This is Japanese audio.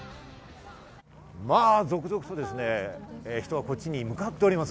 続々と人がこっちに向かっております。